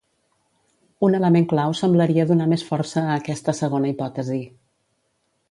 Un element clau semblaria donar més força a aquesta segona hipòtesi.